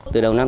từ đầu năm